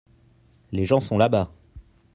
les gens sont là-bas.